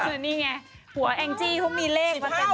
ส่วนนี้ไงหัวแองจีกมีเลข